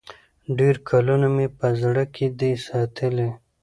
ډېر کلونه مي په زړه کي دی ساتلی